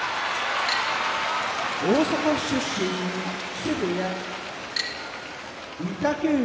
大阪府出身木瀬部屋御嶽海